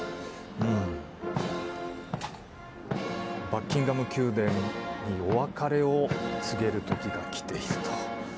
バッキンガム宮殿にお別れを告げる時がきていると。